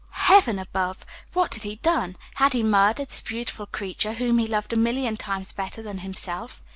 Heaven above! what had he done? Had he murdered this beautiful creature, whom he loved a million times better than himself?